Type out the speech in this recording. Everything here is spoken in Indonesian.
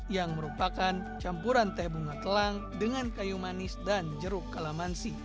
yang merupakan campuran teh bunga telang dengan kayu manis dan jeruk kalamansi